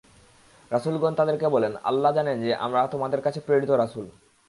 রাসূলগণ তাদেরকে বলেনঃ আল্লাহ্ জানেন যে, আমরা তোমাদের কাছে প্রেরিত রাসূল।